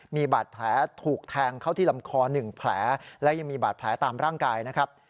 มีบาดแผลถูกแทงเข้าที่ลำคอ๑แผลและยังมีบาดแผลตามร่างกายนะครับ